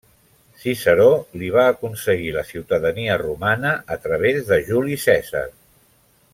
Ciceró li va aconseguir la ciutadania romana a través de Juli Cèsar.